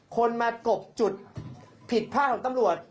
คนมากบจุดผิดพลาดของตำรวจ